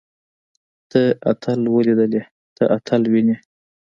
تۀ اتل وليدلې. ته اتل وينې؟